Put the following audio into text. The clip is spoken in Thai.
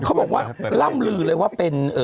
เขาบอกว่าล่ำลือเลยว่าเป็น